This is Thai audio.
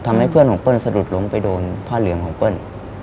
ทำให้เพื่อนของเปิ้ลสะดุดล้มไปโดนผ้าเหลืองของเปิ้ล